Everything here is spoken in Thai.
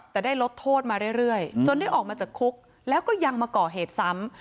แต่ได้ลดโทษมาเรื่อยจนได้ออกมาจากคุกแล้วก็ยังมาก่อเหตุซ้ำ